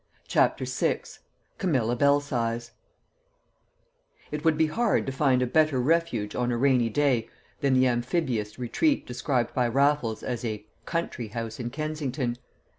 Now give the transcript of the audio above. CHAPTER VI Camilla Belsize It would be hard to find a better refuge on a rainy day than the amphibious retreat described by Raffles as a "country house in Kensington."